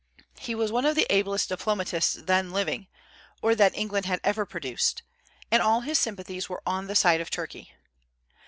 He was one of the ablest diplomatists then living, or that England had ever produced, and all his sympathies were on the side of Turkey.